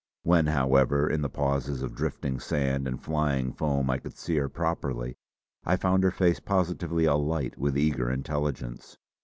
When, however, in the pauses of drifting sand and flying foam I could see her properly, I found her face positively alight with eager intelligence.